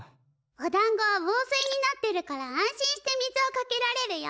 おだんごはぼう水になってるから安心して水をかけられるよ。